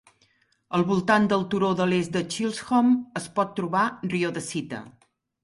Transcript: Al voltant del turó de l'est de Chisholm es pot trobar riodacita.